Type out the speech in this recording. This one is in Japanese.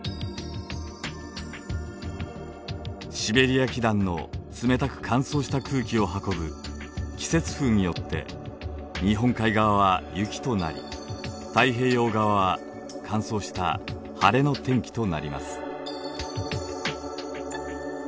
シベリア気団の冷たく乾燥した空気を運ぶ季節風によって日本海側は雪となり太平洋側は乾燥した晴れの天気となります。